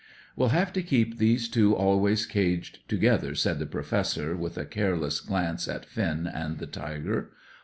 "We'll have to keep these two always caged together," said the Professor, with a careless glance at Finn and the tiger.